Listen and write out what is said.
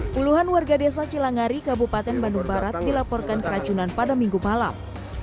puluhan warga desa cilangari kabupaten bandung barat dilaporkan keracunan pada minggu malam